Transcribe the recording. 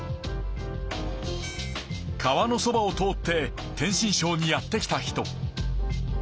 川のそばを通って天真小にやって来た人。